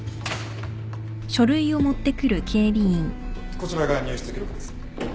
こちらが入室記録です。